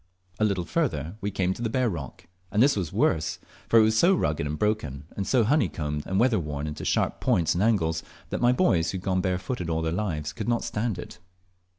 A little farther we came to the bare rock, and this was worse, for it was so rugged and broken, and so honeycombed and weatherworn into sharp points and angles, that my boys, who had gone barefooted all their lives, could not stand it.